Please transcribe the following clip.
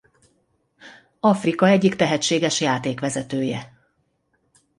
Afrika egyik tehetséges játékvezetője.